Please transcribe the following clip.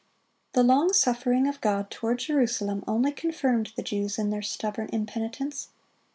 The long suffering of God toward Jerusalem only confirmed the Jews in their stubborn impenitence.